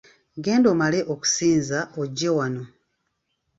Genda omale okusinza ojje wano.